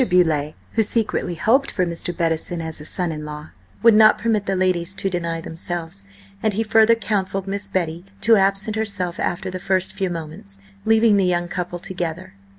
Beauleigh, who secretly hoped for Mr. Bettison as a son in law, would not permit the ladies to deny themselves, and he further counselled Miss Betty to absent herself after the first few moments, leaving the young couple together.